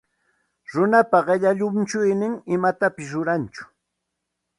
Runapa qilla llunchuynin imatapis rurantsu.